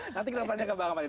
nanti kita tanya ke bang kamar